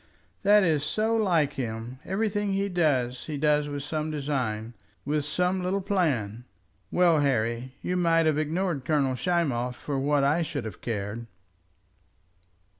"That is so like him. Everything he does he does with some design, with some little plan. Well, Harry, you might have ignored Colonel Schmoff for what I should have cared."